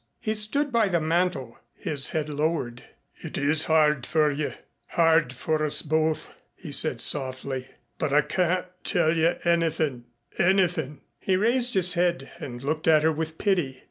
He stood by the mantel, his head lowered. "It is hard for you hard for us both," he said softly, "but I can't tell you anythin' anythin'." He raised his head and looked at her with pity.